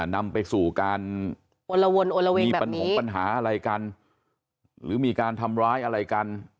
นำไปสู่การมีปัญหาอะไรกันหรือมีการทำร้ายอะไรกัน